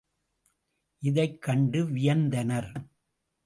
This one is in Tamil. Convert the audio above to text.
இதைக் கண்டு வியந்தனர்.